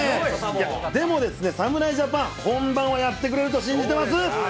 でもですね、侍ジャパン、本番はやってくれると信じてます。